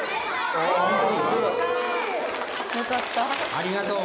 ありがとう。